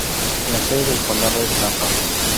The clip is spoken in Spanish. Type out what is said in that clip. La sede del condado es Napa.